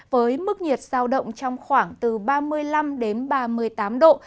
với mức nhiệt giao động trong khoảng từ ba mươi năm đến ba mươi tám độ